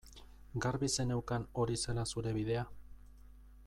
Garbi zeneukan hori zela zure bidea?